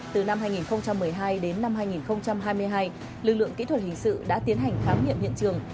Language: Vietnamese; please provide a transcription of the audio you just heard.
từ năm hai nghìn một mươi hai đến năm hai nghìn hai mươi hai lực lượng kỹ thuật hình sự đã tiến hành khám nghiệm hiện trường